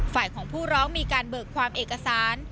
ฝ่ายของผู้ร้องมีการเบิกความเอกสาร